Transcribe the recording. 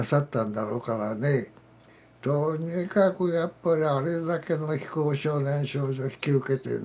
とにかくやっぱりあれだけの非行少年・少女を引き受けてね。